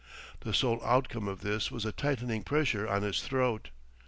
The sole outcome of this was a tightening pressure on his throat.